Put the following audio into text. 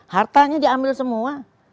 hartanya diambil semua